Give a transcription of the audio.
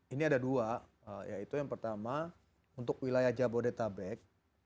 ini ada dua yaitu yang pertama untuk wilayah jabodetabek